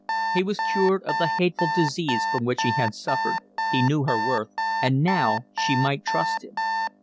He was cured of the hateful disease from which he had suffered, he knew her worth, and now she might trust him.